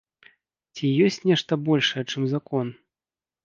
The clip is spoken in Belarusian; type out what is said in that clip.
Ці ёсць нешта большае, чым закон?